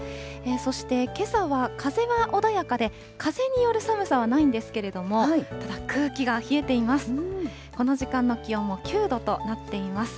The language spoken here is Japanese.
そして、けさは風が穏やかで、風による寒さはないんですけれども、ただ空気が冷えています。